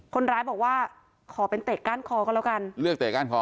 คนร้ายบอกว่าขอเป็นเตะก้านคอก็แล้วกัน